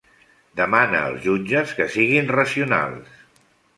Demana als jutges que siguin racionals.